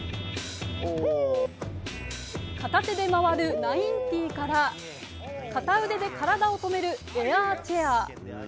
片手で回る１９９０から、片腕で体をとめるエアーチェアー。